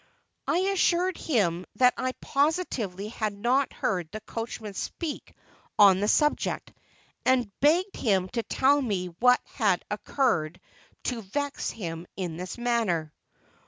I assured him that I positively had not heard the coachman speak on the subject, and begged him to tell me what had occurred to vex him in this manner.